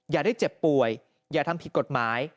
อย่าได้เจ็บป่วยอย่าทำผิดกฎหมาย